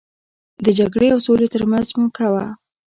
د جګړې او سولې ترمنځ موکه وه.